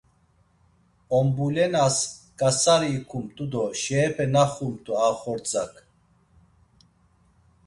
Ombulenas ǩasari ikumt̆u do şeepe naxumt̆u a xordzak.